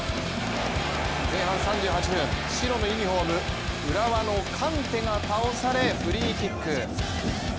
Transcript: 前半３８分、白のユニフォーム浦和のカンテが倒されフリーキック。